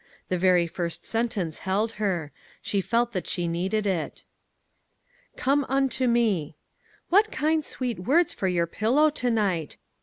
The very first sentence held her ; she felt that she needed it. "* Come unto me.' What kind, sweet words for your pillow to night!